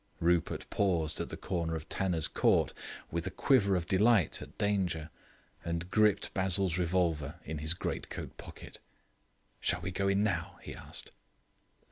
Rupert paused at the corner of Tanner's Court, with a quiver of delight at danger, and gripped Basil's revolver in his great coat pocket. "Shall we go in now?" he asked.